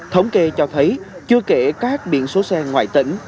thống kê cho thấy chưa kể các biển số xe ngoại tỉnh